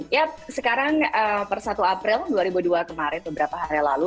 ya sekarang per satu april dua ribu dua kemarin beberapa hari lalu